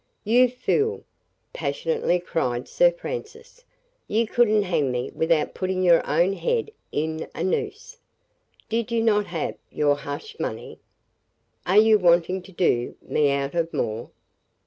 "'You fool!' passionately cried Sir Francis. 'You couldn't hang me without putting your own head in a noose. Did you not have your hush money? Are you wanting to do me out of more?